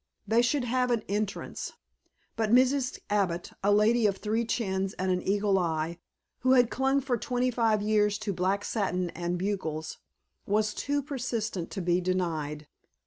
They should have an entrance. But Mrs. Abbott, a lady of three chins and an eagle eye, who had clung for twenty five years to black satin and bugles, was too persistent to be denied.